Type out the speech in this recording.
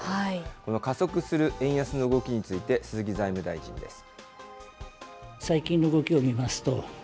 この加速する円安の動きについて、鈴木財務大臣です。